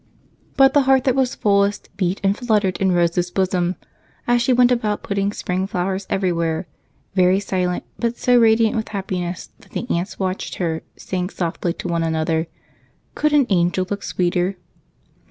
But the heart that was fullest beat and fluttered in Rose's bosom as she went about putting spring flowers everywhere; very silent, but so radiant with happiness that the aunts watched her, saying softly to one another, "Could an angel look sweeter?"